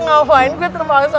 ngapain gue terpaksa